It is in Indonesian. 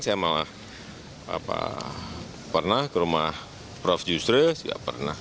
saya malah pernah ke rumah prof yusril juga pernah